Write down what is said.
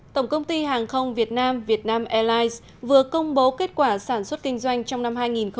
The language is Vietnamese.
tổng công ty hàng không việt nam vietnam airlines vừa công bố kết quả sản xuất kinh doanh trong năm hai nghìn một mươi chín